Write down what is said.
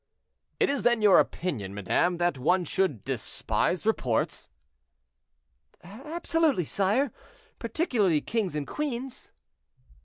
"It is then your opinion, madame, that one should despise reports?" "Absolutely, sire; particularly kings and queens."